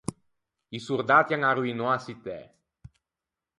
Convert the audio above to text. I sordatti an arroinou a çittæ.